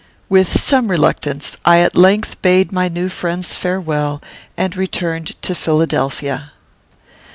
With some reluctance, I at length bade my new friends farewell, and returned to Philadelphia.